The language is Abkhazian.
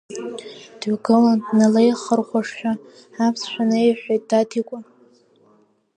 Дҩагылан, дналехырхәашәа аԥсшәа неиҳәеит Даҭикәа.